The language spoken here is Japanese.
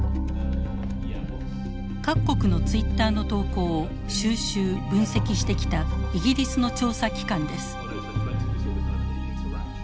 各国のツイッターの投稿を収集分析してきたイギリスの調査機関です。